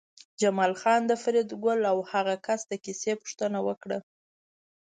جمال خان د فریدګل او هغه کس د کیسې پوښتنه وکړه